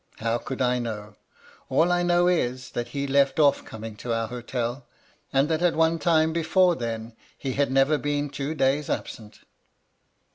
How could I know ? All I know is, that he left off coming to our hotel, and that at one time before then he had never been two days absent.'